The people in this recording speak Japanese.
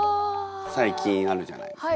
最近あるじゃないですか。